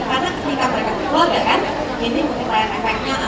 karena ketika mereka keluarga kan ini memperbaik efeknya